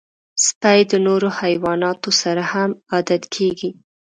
سپي د نورو حیواناتو سره هم عادت کېږي.